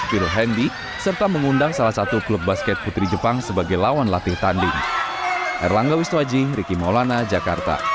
phil handy serta mengundang salah satu klub basket putri jepang sebagai lawan latih tanding